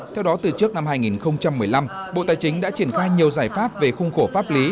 theo đó từ trước năm hai nghìn một mươi năm bộ tài chính đã triển khai nhiều giải pháp về khung khổ pháp lý